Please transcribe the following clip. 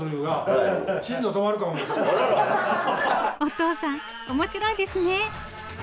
お父さん面白いですね。